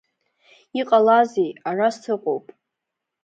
Иҟалазеи, ара сыҟоуп!